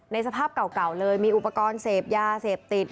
สภาพเก่าเลยมีอุปกรณ์เสพยาเสพติด